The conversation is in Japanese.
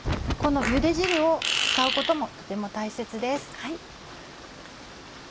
このゆで汁を使うこともとても大切です。